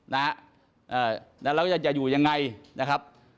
นะแล้วเราก็จะอยู่อย่างไรนะครับ